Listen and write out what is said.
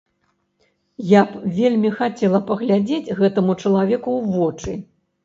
Я б вельмі хацела паглядзець гэтаму чалавеку ў вочы.